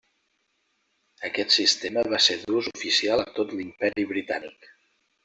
Aquest sistema va ser d’ús oficial a tot l'Imperi Britànic.